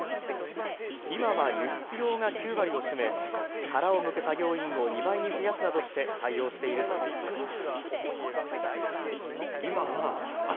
今は輸出用が９割を占め殻をむく作業員を２倍に増やすなどして対応しているということです。